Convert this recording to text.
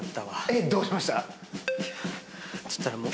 えっ！どうしました？